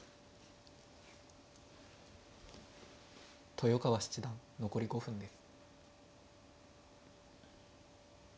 豊川七段残り５分です。